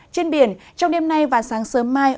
trên biển trong đêm nay và sáng sớm mai